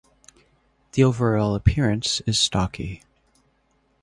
The overall appearance is stocky.